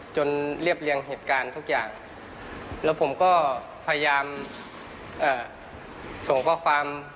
เรียบเรียงเหตุการณ์ทุกอย่างแล้วผมก็พยายามส่งข้อความ